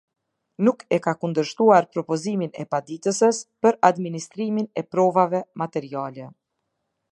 Nuk e ka kundërshtuar propozimin e paditëses për administrimin e provave materiale.